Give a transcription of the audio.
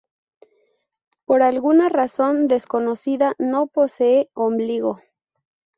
Por alguna razón desconocida, no posee ombligo.